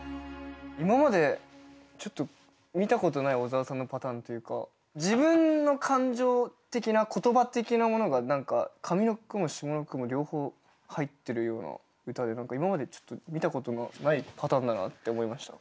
今までちょっと見たことない小沢さんのパターンというか自分の感情的な言葉的なものが何か上の句も下の句も両方入ってるような歌で何か今までちょっと見たことのないパターンだなって思いました。